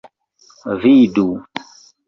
Vidu!